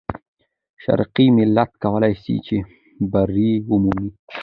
شرقي ملت کولای سي چې بری ومومي.